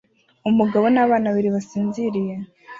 Umugabo n'abana babiri basinziriye